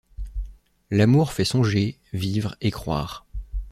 L’amour fait songer, vivre et croire.